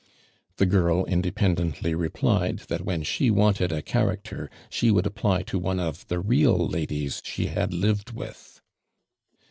The girl independently replied that when she wanted a character she would apply to one of the real ladies she had lived with.